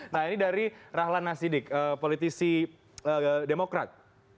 nah ini dari rahlan nasidik politisi demokrat